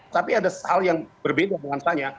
tapi ada hal yang berbeda mengantaranya